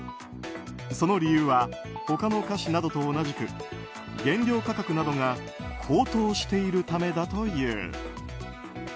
その理由は他の菓子などと同じく原料価格などが高騰しているためだという。